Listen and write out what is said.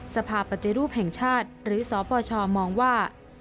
สภาพปฏิรูปแห่งชาติหรือสปชมองว่า